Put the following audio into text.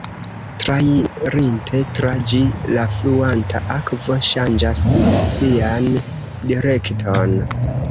Trairinte tra ĝi, la fluanta akvo ŝanĝas sian direkton.